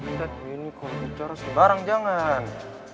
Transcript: nggak ini kalau dicara sebarang jangan